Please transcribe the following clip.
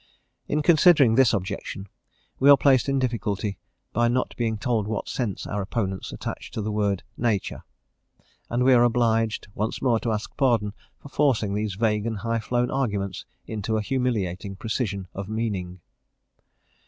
In considering this objection, we are placed in difficulty by not being told what sense our opponents attach to the word "nature"; and we are obliged once more to ask pardon for forcing these vague and high flown arguments into a humiliating precision of meaning.